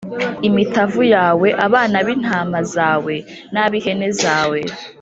imitavu yawe, abana b’intama zawe n’ab’ihene zawe+